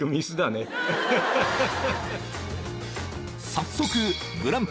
［早速］